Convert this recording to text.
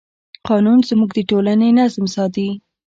قانون زموږ د ټولنې نظم ساتي.